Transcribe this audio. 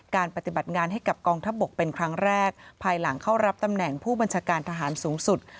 ปฏิบัติงานให้กับกองทัพบกเป็นครั้งแรกภายหลังเข้ารับตำแหน่งผู้บัญชาการทหารสูงสุด